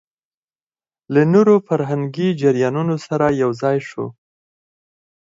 له نورو فرهنګي جريانونو سره يوځاى شو